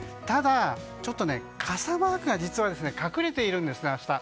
ただ、傘マークが実は隠れているんですね、明日。